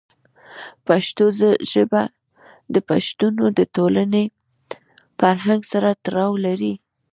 پښتو ژبه د پښتنو د ټولنې فرهنګ سره تړاو لري.